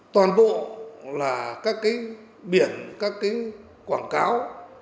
toàn bộ là các biển các quảng cáo